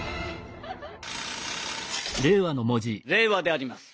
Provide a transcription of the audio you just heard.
令和であります。